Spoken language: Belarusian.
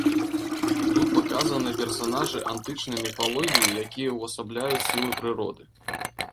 Тут паказаны персанажы антычнай міфалогіі, якія ўвасабляюць сілы прыроды.